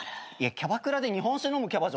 キャバクラで日本酒飲むキャバ嬢